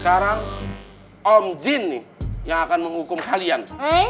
sekarang om jin nih yang akan menghukum kalian